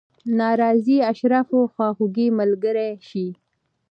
ناراضي اشرافو خواخوږي ملګرې شي.